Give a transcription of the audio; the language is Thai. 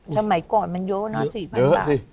สมัยก่อนมันเยอะนะ๔๐๐๐บาท